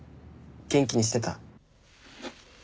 元気にしてた？